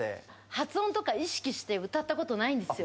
発音とか意識して歌ったことないんですよ。